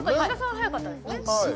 早かったですもんね。